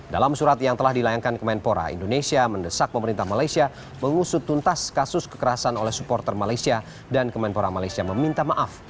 dalam surat yang telah dilayangkan kemenpora indonesia mendesak pemerintah malaysia mengusut tuntas kasus kekerasan oleh supporter malaysia dan kemenpora malaysia meminta maaf